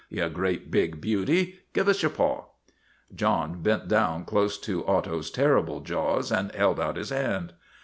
You great, big beauty ! Give us your paw." John bent down close to Otto's terrible jaws and held out his hand.